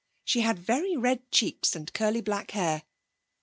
She had very red cheeks, and curly black hair.